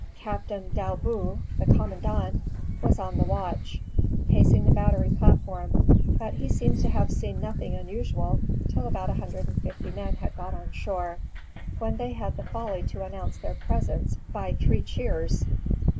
Captain d'Aillebout, the commandant, was on the wratch, pacing the battery platform; but he seems to have seen nothing unusual till about a hundred and fifty men had got on shore, when they had the folly to announce their presence by three cheers.